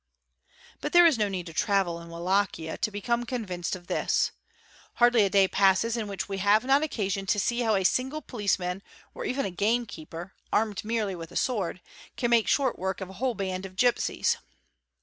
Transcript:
But there is no need to travel in Walachia to become convinced of K h is. Hardly a day passes in which we have not occasion to see how a ingle policeman or even a game keeper, armed merely with a sword, can nake short work of a whole band of gipsies.